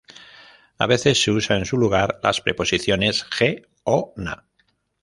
A veces se usa en su lugar las preposiciones "je" o "na".